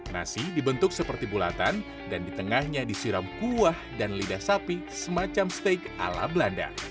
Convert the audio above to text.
nasi dibentuk seperti bulatan dan di tengahnya disiram kuah dan lidah sapi semacam steak ala belanda